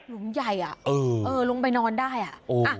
หุมใหญ่อ่ะเออลงไปนอนได้อ่ะ